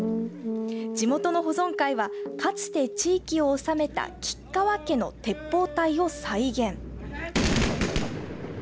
地元の保存会はかつて地域を治めた吉川家の鉄砲隊を再現。